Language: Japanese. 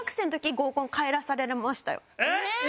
えっ！